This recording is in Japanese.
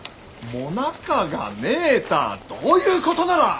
・もなかがねえたあどういうことなら！